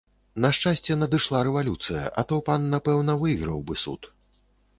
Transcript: На шчасце надышла рэвалюцыя, а то пан напэўна выйграў бы суд.